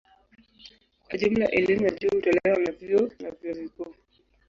Kwa jumla elimu ya juu hutolewa na vyuo na vyuo vikuu.